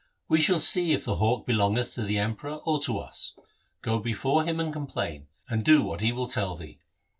We shall see if the hawk belongeth to the Emperor or to us. Go before him and complain, and do what he will tell thee.